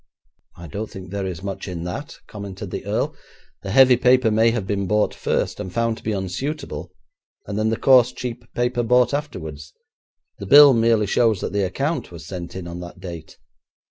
'I don't think there is much in that,' commented the earl; 'the heavy paper may have been bought first, and found to be unsuitable, and then the coarse, cheap paper bought afterwards. The bill merely shows that the account was sent in on that date.